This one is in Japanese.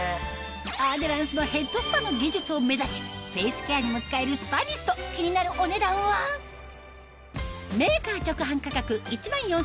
アデランスのヘッドスパの技術を目指しフェイスケアにも使える気になるお値段は？え！